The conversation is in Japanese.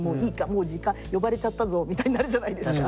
もう時間呼ばれちゃったぞみたいになるじゃないですか。